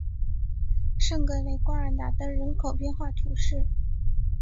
圣格雷瓜尔达登人口变化图示